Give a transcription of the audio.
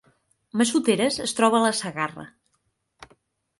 Massoteres es troba a la Segarra